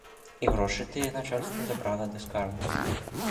І грошы тыя начальства забрала да скарбу.